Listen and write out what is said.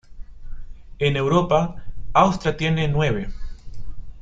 En Europa, Austria tiene nueve.